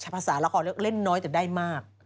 ภาษาละครเล่นน้อยแต่ได้มาก